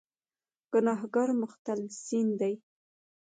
ګناهکار مختلسین دي.